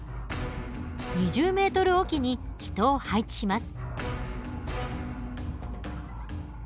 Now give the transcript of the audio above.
２０ｍ置きに人を配置します。